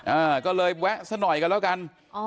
อ่าก็เลยแวะซะหน่อยกันแล้วกันอ๋อ